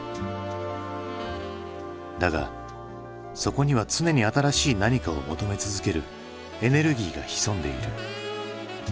だがそこには常に新しい何かを求め続けるエネルギーが潜んでいる。